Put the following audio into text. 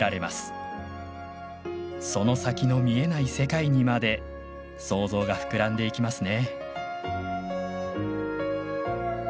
その先の見えない世界にまで想像が膨らんでいきますね。